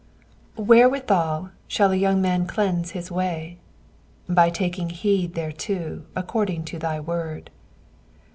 WHEREWITHAL shall a young man cleanse his way? by taking heed thereto according to thy word.